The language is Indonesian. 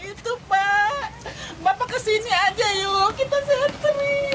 itu pak bapak kesini aja yuk kita sentri